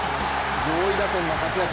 上位打線の活躍